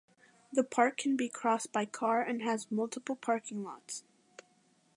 The park can be crossed by car and has multiple parking lots.